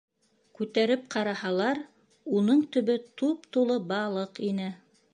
Күтәреп ҡараһалар, уның төбө туп-тулы балыҡ ине.